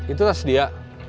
itu tas dia